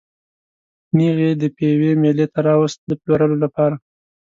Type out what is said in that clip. نېغ یې د پېوې مېلې ته راوست د پلورلو لپاره.